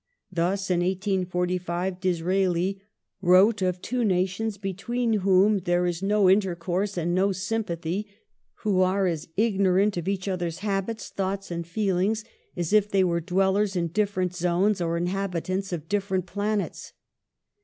Thus, in 1845, Disraeli wrote of " two nations between whom there is no intercourse and no sympathy, who are as ignorant of each other's habits, thoughts, and feelings as if they were dwellers in , diiferent zones, or inhabitants of different planets